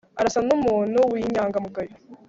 arasa numuntu winyangamugayo